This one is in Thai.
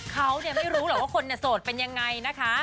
เขาเนี่ยไม่รู้หรอกว่าคนเนี่ยโสดเป็นยังไงนะคะ